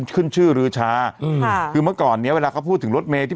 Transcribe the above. ขึ้นชื่อรือชาอืมคือเมื่อก่อนเนี้ยเวลาเขาพูดถึงรถเมย์ที่